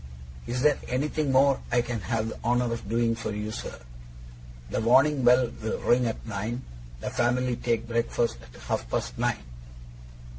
'Is there anything more I can have the honour of doing for you, sir? The warning bell will ring at nine; the family take breakfast at half past nine.